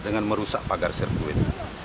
dengan merusak pagar sirkuit